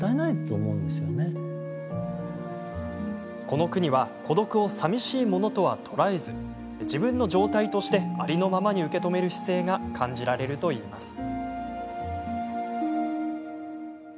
この句には孤独をさみしいものとは捉えず自分の状態としてありのままに受け止める姿勢が感じられるといいます。